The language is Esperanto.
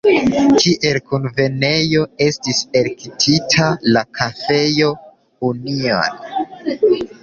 Kiel kunvenejo estis elektita la kafejo „Union“.